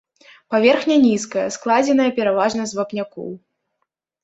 Паверхня нізкая, складзеная пераважна з вапнякоў.